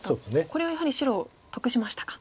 これはやはり白得しましたか。